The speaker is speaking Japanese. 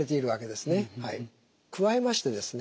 加えましてですね